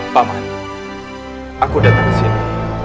paman aku datang ke sini